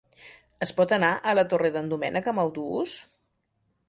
Es pot anar a la Torre d'en Doménec amb autobús?